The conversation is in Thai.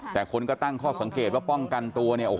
แต่คนก็ตั้งข้อสังเกตว่าป้องกันตัวเนี่ย